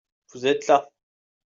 Vous êtes là.